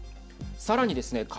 さらにですね